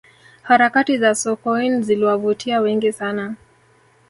harakati za sokoine ziliwavutia wengi sana